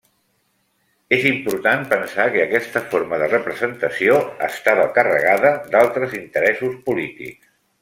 És important pensar que aquesta forma de representació estava carregada d'altres interessos polítics.